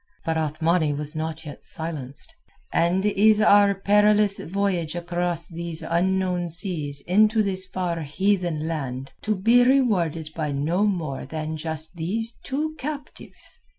But Othmani was not yet silenced. "And is our perilous voyage across these unknown seas into this far heathen land to be rewarded by no more than just these two captives?